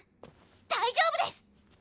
大丈夫です！